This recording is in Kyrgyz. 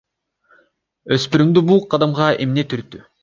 Өспүрүмдү бул кадамга эмне түрттү?